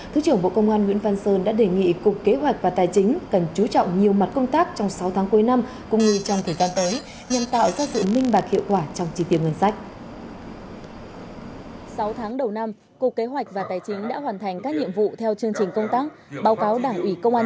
thứ trưởng bộ công an nguyễn văn sơn đã đề nghị cục kế hoạch và tài chính cần chú trọng nhiều mặt công tác trong sáu tháng cuối năm